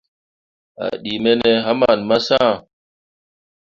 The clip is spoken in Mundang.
A ɗii me ne haman massh.